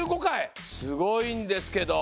すごいんですけど。